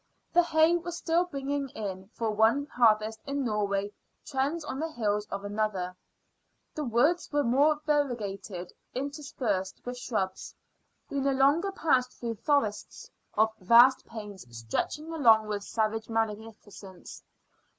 The hay was still bringing in, for one harvest in Norway treads on the heels of the other. The woods were more variegated, interspersed with shrubs. We no longer passed through forests of vast pines stretching along with savage magnificence.